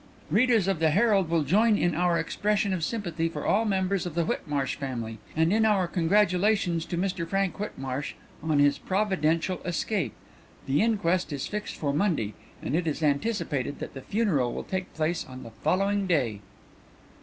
"'Readers of The Herald will join in our expression of sympathy for all members of the Whitmarsh family, and in our congratulations to Mr Frank Whitmarsh on his providential escape. "'The inquest is fixed for Monday and it is anticipated that the funeral will take place on the following day.'"